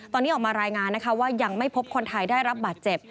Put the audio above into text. ตอนนี้ออกมารายงานนะคะว่ายังไม่พบคนไทยได้รับบาดเจ็บ